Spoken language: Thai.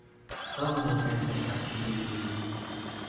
ต้องมีการกำกับดี